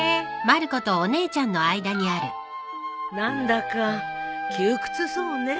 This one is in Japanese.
何だか窮屈そうね。